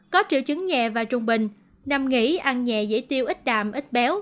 có triệu chứng nhẹ và trung bình nằm nghỉ ăn nhẹ dễ tiêu ít đạm ít béo